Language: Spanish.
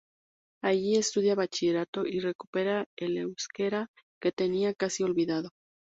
Allí estudia bachillerato y recupera el euskera que tenía casi olvidado.